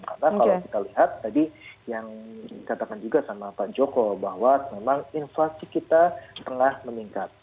karena kalau kita lihat tadi yang dikatakan juga sama pak jokowi bahwa memang inflasi kita telah meningkat